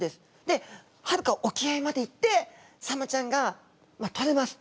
ではるか沖合まで行ってサンマちゃんがとれます。